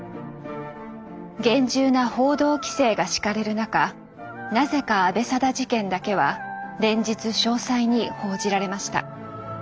厳重な報道規制が敷かれる中なぜか阿部定事件だけは連日詳細に報じられました。